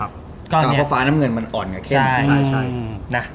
เพราะฟ้าน้ำเงินมันอ่อนกับเข้ม